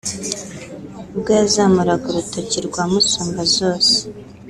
ubwo yazamuraga urutoki rwa musumbazose